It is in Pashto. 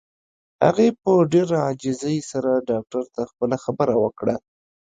هغې په ډېره عاجزۍ سره ډاکټر ته خپله خبره وکړه.